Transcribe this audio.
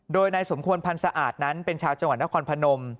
โดยนายสมควรพันธ์สะอาดนั้นเป็นชาวจังหวัดนครพนม